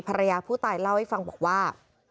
ภรรยาผู้ตายเล่าให้ฟังบอกว่า